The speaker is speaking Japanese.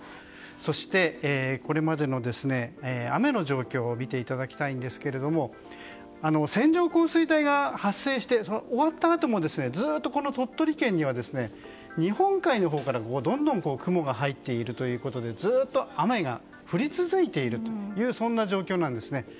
そして、これまでの雨の状況を見ていただきたいんですけども線状降水帯が発生して終わったあともずっと鳥取県には日本海のほうからどんどん雲が入っているということでずっと雨が降り続いている状況なんですね。